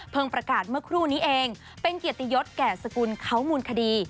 ประกาศเมื่อครู่นี้เองเป็นเกียรติยศแก่สกุลเขามูลคดี